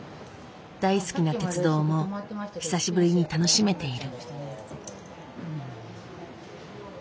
大好きな鉄道も久しぶりに楽しめている。